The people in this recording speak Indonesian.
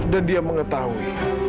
dan dia mengetahui